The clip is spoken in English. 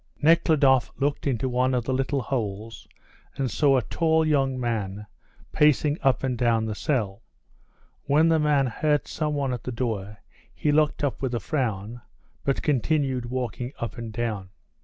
Nekhludoff looked into one of the little holes, and saw a tall young man pacing up and down the cell. When the man heard some one at the door he looked up with a frown, but continued walking up and down.